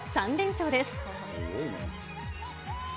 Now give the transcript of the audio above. ３連勝です。